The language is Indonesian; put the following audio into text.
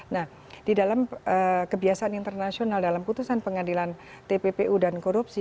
nah di dalam kebiasaan internasional dalam putusan pengadilan tppu dan korupsi